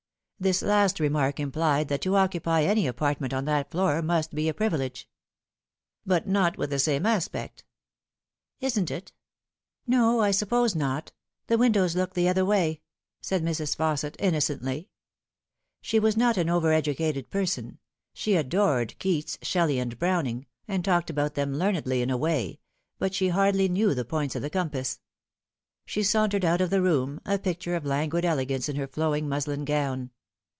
This last remark implied that to occupy any apartment on that floor must be a privilege. " But not with the same aspect." " Isn't it ? No, I suppose not. The windows look the other way," said Mrs. Fausset innocently. She was not an over educated person. She adored Keats, Shelley, and Browning, and talked about them learnedly in a way ; but she hardly knew the points of the compass. She sauntered out of the room, a picture of languid elegance in her flowing muslin gown.